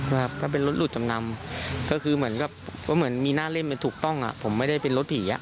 ว่าเหมือนมีหน้าเล่มที่ถูกป้องผมไม่ได้เป็นรถผี